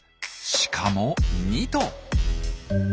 しかも２頭。